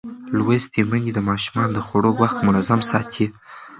لوستې میندې د ماشومانو د خوړو وخت منظم ساتي.